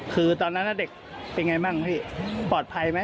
คือตอนนั้นเด็กเป็นไงบ้างพี่ปลอดภัยไหมปลอดภัยอยู่นะ